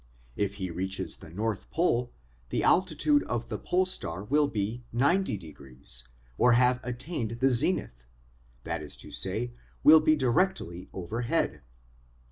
If he reaches the North Pole the altitude of the Pole Star will be 90 or have attained the zenith, that is to say, will be directly over head.